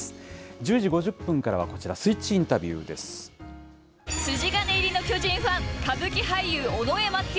１０時５０分からは、こちら、筋金入りの巨人ファン、歌舞伎俳優、尾上松也。